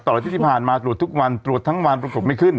อาทิตย์ที่ผ่านมาตรวจทุกวันตรวจทั้งวันปรากฏไม่ขึ้น